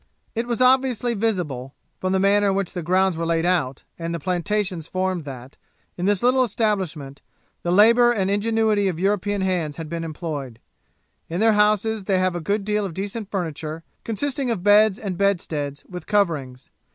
It was obviously visible, from the manner in which the grounds were laid out, and the plantations formed that, in this little establishment, the labour and ingenuity of European hands had been employed. In their houses they have a good deal of decent furniture, consisting of beds and bedsteads, with coverings.